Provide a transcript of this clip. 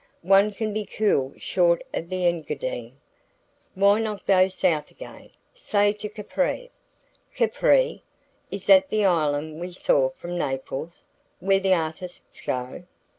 "One can be cool short of the Engadine. Why not go south again say to Capri?" "Capri? Is that the island we saw from Naples, where the artists go?"